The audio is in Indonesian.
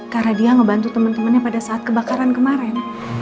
karena dia ngebantu temen temennya pada saat kebakaran kemaren